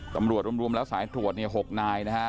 ตำรวจรวมเมื่อสายตรวจเนี่ย๖รายนะฮะ